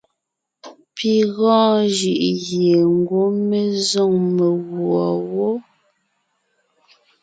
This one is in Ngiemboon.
Pi gɔɔn jʉʼ gie ngwɔ́ mé zôŋ meguɔ wó.